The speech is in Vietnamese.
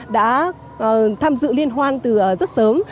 đã tham dự liên hoan từ rất sớm